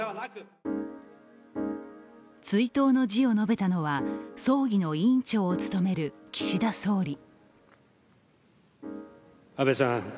追悼の辞を述べたのは、葬儀の委員長を務める岸田総理。